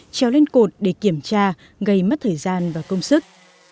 treo lên cột để kiểm tra gây mất thời gian và công sức